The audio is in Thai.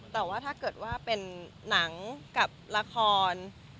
แต่ว่าถ้าเกิดว่าเป็นหนังกับละคร